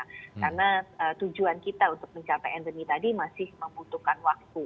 karena tujuan kita untuk mencapai endemi tadi masih membutuhkan waktu